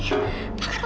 pakat roti pakai apa